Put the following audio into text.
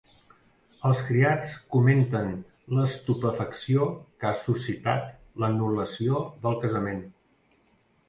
Els criats comenten l'estupefacció que ha suscitat l'anul·lació del casament.